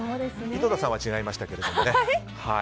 井戸田さんは違いましたけれどもね。